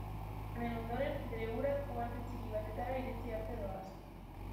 Honen ondoren, bere urak, uharte txiki batetara iritsi arte doaz.